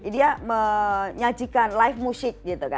dia menyajikan live music